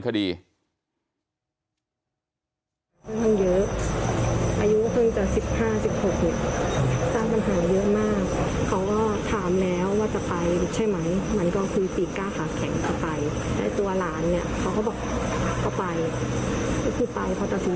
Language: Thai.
ขอกลับมาอยู่บ้านเพราะเข้ามาอยู่บ้านเท่านั้นเนี่ย